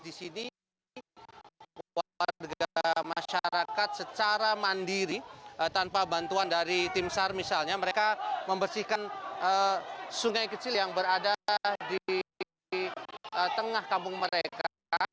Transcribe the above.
di sini warga masyarakat secara mandiri tanpa bantuan dari tim sar misalnya mereka membersihkan sungai kecil yang berada di tengah kampung mereka